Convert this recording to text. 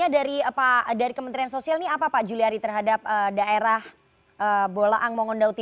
dengan pak bupati nanti